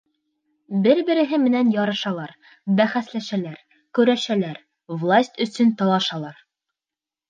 Бер-береһе менән ярышалар, бәхәсләшәләр, көрәшәләр, власть өсөн талашалар.